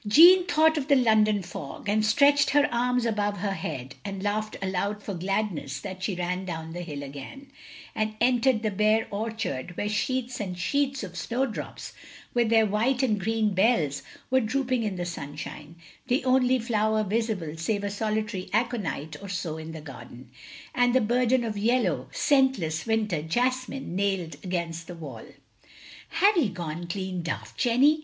Jeanne thought of the London fog, and stretched her arms above her head, and laughed aloud for gladness as she ran down the hill again, and entered the bare orchard where sheets and sheets of snowdrops, with their white and green bells, were drooping in the sunshine, the only flower visible save a solitary aconite or so in the garden, and the burden of yellow, scentless, winter jas mine nailed against the wall. "Have ye gone clean daft, Jenny?"